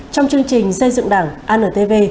trong chương trình xây dựng đảng antv